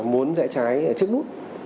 muốn rẽ trái ở trước nút